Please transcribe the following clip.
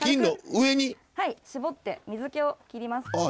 はい絞って水けを切ります。